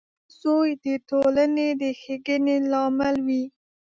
• ښه زوی د ټولنې د ښېګڼې لامل وي.